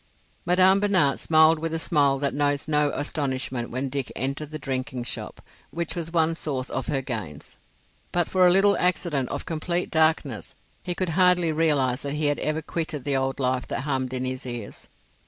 Madame Binat smiled with the smile that knows no astonishment when Dick entered the drinking shop which was one source of her gains. But for a little accident of complete darkness he could hardly realise that he had ever quitted the old life that hummed in his ears.